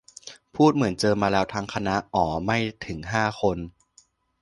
พูดเหมือนเจอมาแล้วทั้งคณะ อ๋อ ไม่ถึงห้าคน